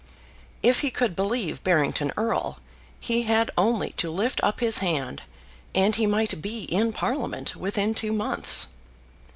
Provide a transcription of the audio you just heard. If he could believe Barrington Erle, he had only to lift up his hand, and he might be in Parliament within two months.